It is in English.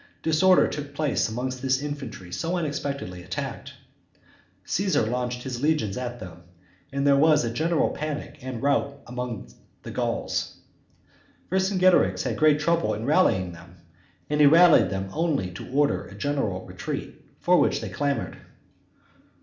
Disorder took place amongst this infantry so unexpectedly attacked. Caesar launched his legions at them, and there was a general panic and rout among the Gauls. Vercingetorix had great trouble in rallying them, and he rallied them only to order a general retreat, for which they clamored.